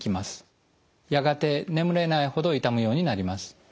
やがて眠れないほど痛むようになります。